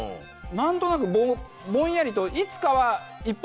なんとなくぼんやりと映画？